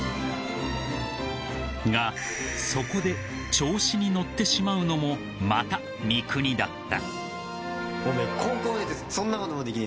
［がそこで調子に乗ってしまうのもまた三國だった］